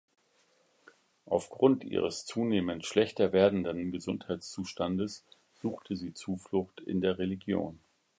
Aufgrund ihres zunehmend schlechter werdenden Gesundheitszustandes suchte sie Zuflucht in der Religion.